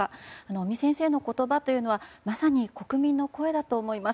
尾身先生の言葉というのはまさに、国民の声だと思います。